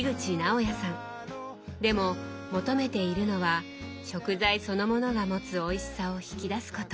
でも求めているのは食材そのものが持つおいしさを引き出すこと。